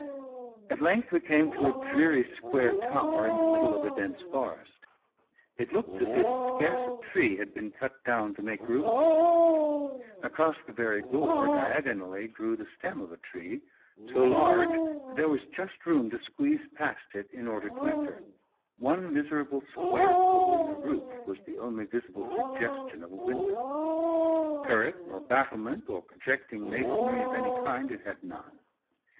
At length we came to a dreary square tower, in the middle of a dense forest. It looked as if scarce a tree had been cut down to make room for it. Across the very door, diagonally, grew the stem of a tree, so large that there was just room to squeeze past it in order to enter. One miserable square hole in the roof was the only visible suggestion of a window. Turret or battlement, or projecting masonry of any kind, it had none.